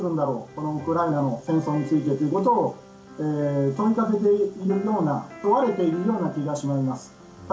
このウクライナの戦争についてということを問いかけているような問われているような気がします。